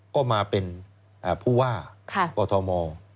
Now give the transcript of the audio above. ก็มาเป็นผู้ว่ากอทม